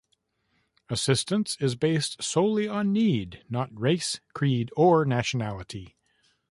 Assistance is based solely on need, not race, creed or nationality.